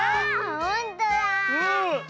ほんとだ！